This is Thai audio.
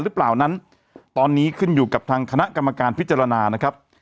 หรือเปล่านั้นตอนนี้ขึ้นอยู่กับทางคณะกรรมการพิจารณานะครับ